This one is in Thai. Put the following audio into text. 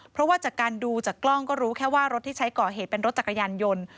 เพราะว่าจากการดูจากกล้องก็รู้แค่ว่ารถที่ใช้ก่อเหตุเป็นรถจักรยานยนต์